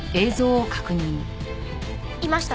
いました！